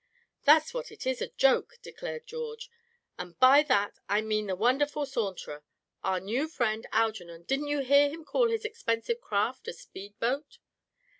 "That's what it is, a joke!" declared George; "and by that, I mean the wonderful Saunterer. Our new friend, Algernon, didn't you hear him call his expensive craft a speed boat?